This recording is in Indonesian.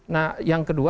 nah yang kedua